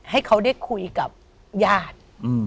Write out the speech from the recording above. ให้เขาได้คุยกับญาติ